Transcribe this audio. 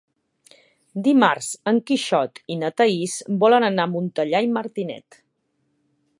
Dimarts en Quixot i na Thaís volen anar a Montellà i Martinet.